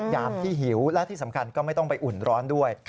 ยามที่หิวและที่สำคัญก็ไม่ต้องไปอุ่นร้อนด้วย